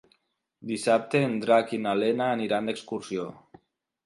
Dissabte en Drac i na Lena aniran d'excursió.